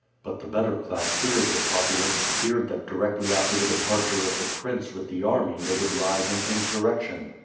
But the better class feare<l the populace, feared that directly after the departure of the prince with the army they would rise in insurrection.